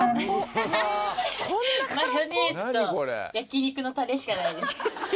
マヨネーズと焼き肉のタレしかないです。